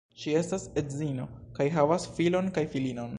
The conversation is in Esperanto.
Ŝi estas edzino kaj havas filon kaj filinon.